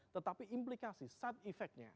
tetapi implikasi side effectnya